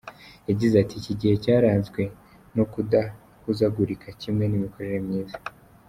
Yagize ati “Iki gihe cyaranzwe n’ukudahuzagurika kimwe n’imikorere myiza.